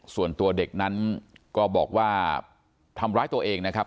ส่วนตัวเด็กนั้นก็บอกว่าทำร้ายตัวเองนะครับ